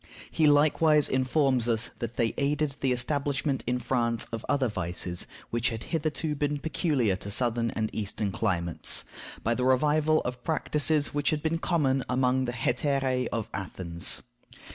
He likewise informs us that they aided the establishment in France of other vices which had hitherto been peculiar to Southern and Eastern climates, by the revival of practices which had been common among the hetairæ of Athens.